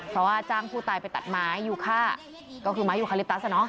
เพราะว่าจ้างผู้ตายไปตัดไม้อยู่ค่าก็คือไม้อยู่คลิปตัสน่ะเนอะ